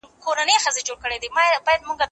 سبزیجات د زهشوم له خوا خوړل کيږي؟